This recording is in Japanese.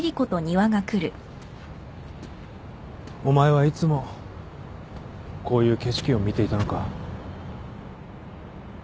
お前はいつもこういう景色を見ていたのか。